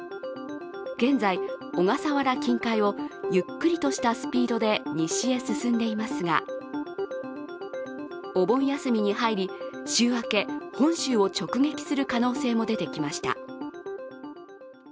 現在、小笠原近海をゆっくりとしたスピードで西へ進んでいますが、お盆休みに入り、週明け本州を直撃する可能性も出てきました。